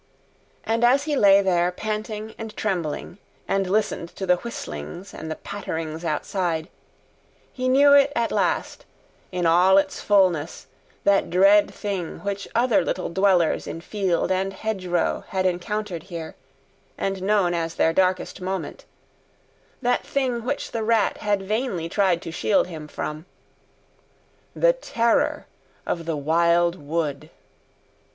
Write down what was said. And as he lay there panting and trembling, and listened to the whistlings and the patterings outside, he knew it at last, in all its fullness, that dread thing which other little dwellers in field and hedgerow had encountered here, and known as their darkest moment—that thing which the Rat had vainly tried to shield him from—the Terror of the Wild Wood!